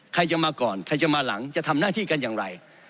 ใครจะมาก่อนใครจะมาหลังจะทำหน้าที่กันอย่างไร